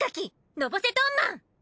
のぼせトンマン！